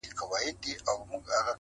او دا بې باوري او ځانځاني له منځه يوسو